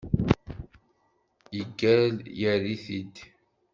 Yeggal yerr-it-id.